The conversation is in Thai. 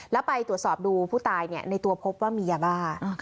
แล้วไปตรวจสอบดูผู้ตายในตัวพบว่ามียาบ้า